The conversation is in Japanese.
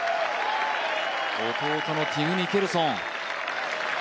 弟のティム・ミケルソン。